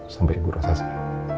sampai ibu rossa selesai